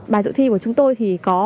bài dự thi của chúng tôi thì có